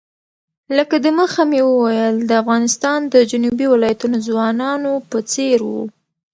لکه د مخه مې وویل د افغانستان د جنوبي ولایتونو ځوانانو په څېر وو.